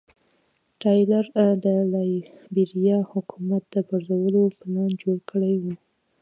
ټایلر د لایبیریا حکومت د پرځولو پلان جوړ کړی و.